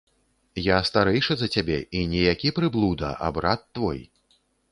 Я старэйшы за цябе і не які прыблуда, а брат твой.